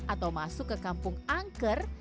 atau masuk ke kampung angker